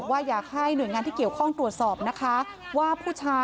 ถ้าว่าน้องไปแจ้งตำรวจอ่ะ